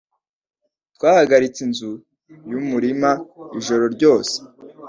Twahagaritse inzu yumurima ijoro ryose.